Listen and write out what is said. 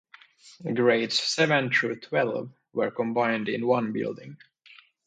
Grades seven through twelve were combined in one building.